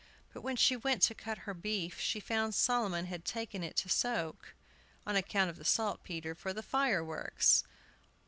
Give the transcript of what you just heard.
But when she went to cut her beef she found Solomon had taken it to soak, on account of the saltpetre, for the fireworks!